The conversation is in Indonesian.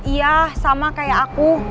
iya sama kayak aku